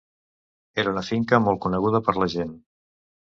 Era una finca molt coneguda per la gent.